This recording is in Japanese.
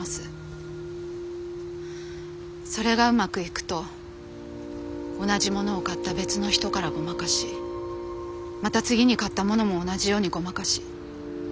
それがうまくいくと同じものを買った別の人からごまかしまた次に買ったものも同じようにごまかし。